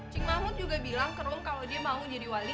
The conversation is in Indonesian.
cing mahmud juga bilang kerung kalau dia mau jadi wali